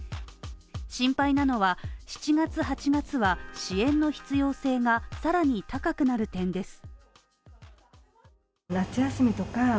心配なのは、７月、８月は支援の必要性が更に高くなる点です。